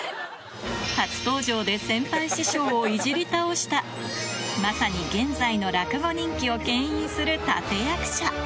初登場で先輩師匠をいじり倒した、まさに現在の落語人気をけん引する立て役者。